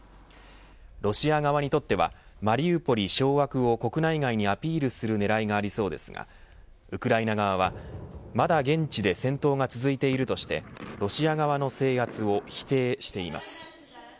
ロシア側にとってはマリウポリ掌握を国内外にアピールする狙いがありそうですがウクライナ側はまだ現地で戦闘が続いているとしてロシア側の制圧を否定しています。